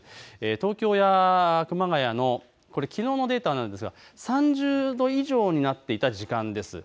東京や熊谷のきのうのデータなんですが３０度以上になっていた時間です。